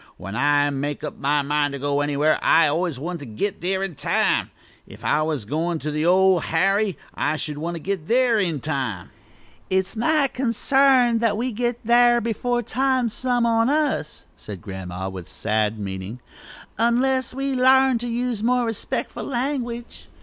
When I make up my mind to go anywhere I always want to git there in time. If I was goin' to the Old Harry, I should want to git there in time." "It's my consarn that we shall git thar' before time, some on us," said Grandma, with sad meaning, "unless we larn to use more respec'ful language."